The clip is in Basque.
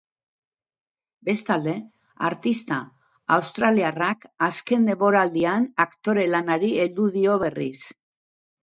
Bestalde, artista australiarrak azken denboraldian aktore lanari heldu dio berriz.